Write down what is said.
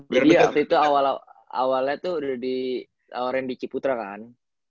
jadi abis itu awalnya tuh udah di awalin di ciputra kan